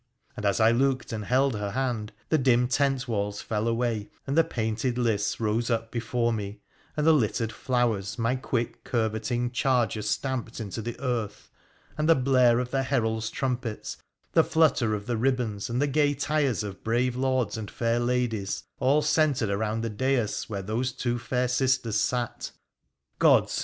And as I looked and held her hand the dim tent walls fell away, and the painted lists rose up before me, and the littered flowers my quick, curveting charger stamped into the earth, and the blare of the heralds' trumpets, the flutter of the ribbons and the gay tires of brave lords and fair ladies all centred round the dais where those two fair sisters sat. Gods